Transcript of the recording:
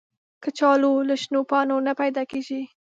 کچالو له شنو پاڼو نه پیدا کېږي